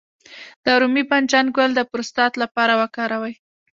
د رومي بانجان ګل د پروستات لپاره وکاروئ